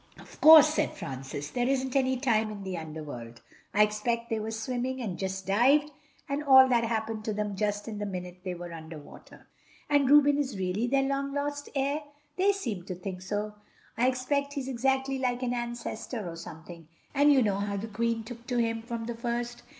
"Of course," said Francis, "there isn't any time in the other world. I expect they were swimming and just dived, and all that happened to them just in the minute they were underwater." "And Reuben is really their long lost heir?" "They seemed to think so. I expect he's exactly like an ancestor or something, and you know how the Queen took to him from the first."